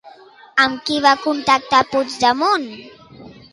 Amb qui més ha contactat Puigdemont?